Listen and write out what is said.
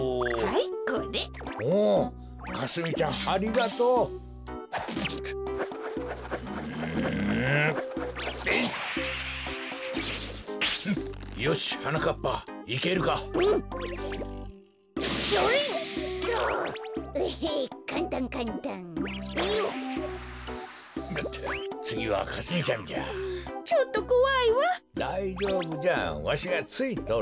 だいじょうぶじゃわしがついとる。